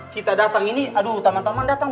kita datang ini aduh teman teman datang